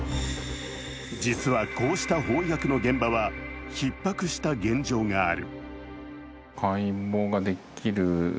実はこうした法医学の現場はひっ迫した現状がある。